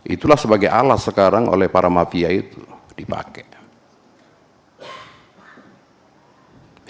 itulah sebagai alat sekarang oleh para mafia itu dipakai